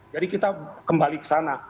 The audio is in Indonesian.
jadi kita kembali ke sana